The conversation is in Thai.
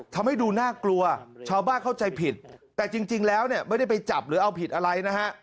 ทำให้ดูน่ากลัวชาวบ้านเข้าใจผิดแต่จริงแล้วเนี่ยไม่ได้ไปจับหรือเอาผิดอะไรนะฮะ